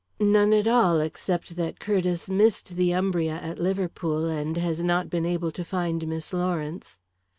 "None at all, except that Curtiss missed the Umbria at Liverpool, and has not been able to find Miss Lawrence."